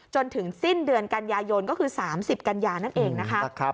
จนถึงสิ้นเดือนกันยายนก็คือ๓๐กันยานั่นเองนะคะ